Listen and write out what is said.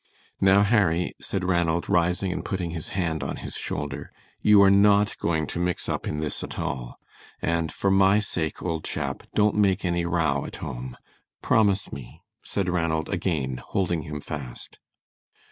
"Now, Harry," said Ranald, rising and putting his hand on his shoulder, "you are not going to mix up in this at all; and for my sake, old chap, don't make any row at home. Promise me," said Ranald again holding him fast.